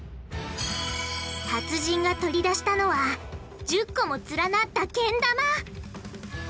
達人が取り出したのは１０個も連なったけん玉！